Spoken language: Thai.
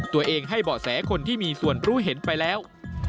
ให้เบาะแสคนที่มีส่วนรู้เห็นไปแล้ว